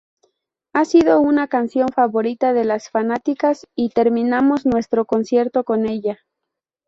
Ha sido una canción favorita de las fanáticas y terminamos nuestro concierto con ella.